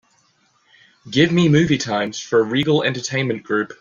Give me movie times for Regal Entertainment Group